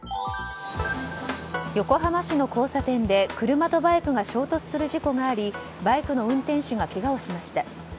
横浜市の交差点で車とバイクが衝突する事故がありバイクの運転手がけがをしました。